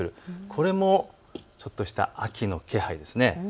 これもちょっとした秋の気配ですね。